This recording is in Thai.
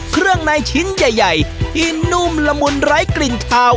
เครื่องในชิ้นใหญ่ที่นุ่มละมุนไร้กลิ่นขาว